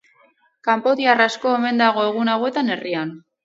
Kanpotiar asko omen dago egun hauetan herrian.